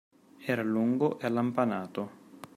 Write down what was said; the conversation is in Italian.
Era lungo e allampanato.